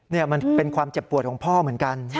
นี่มันเป็นความเจ็บปวดของพ่อเหมือนกัน